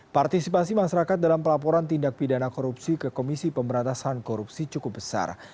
partisipasi masyarakat dalam pelaporan tindak pidana korupsi ke komisi pemberantasan korupsi cukup besar